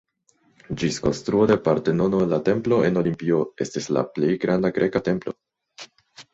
Ĝis konstruo de Partenono la templo en Olimpio estis la plej granda greka templo.